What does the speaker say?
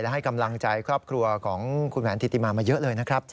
ให้กำลังใจครอบครัวของคุณแหวนธิติมามาเยอะเลยนะครับ